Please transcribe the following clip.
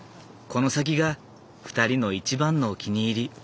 この先が２人の一番のお気に入り。